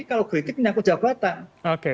kalau kritik menyangkut jawabannya